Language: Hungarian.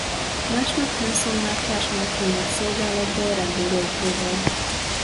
Másnap Hanson már társ nélkül megy szolgálatba a rendőrautóval.